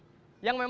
yang memang menarik